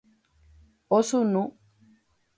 Osunu